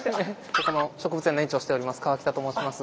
ここの植物園の園長をしております川北と申します。